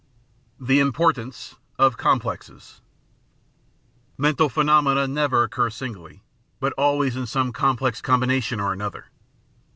The Importance of Complexes Mental phenomena never occur singly, but always in some complex combination or another.